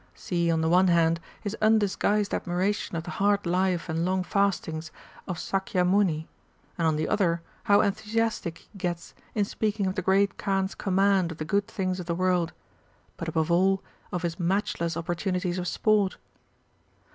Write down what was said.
See, on the one hand, his undisguised admiration of the hard life and long fastings of Sakya Muni ; and on the other how enthusiastic he gets in speaking of the great Kaan's command of the good things of the world, but above all of his matchless oppor tunities of sport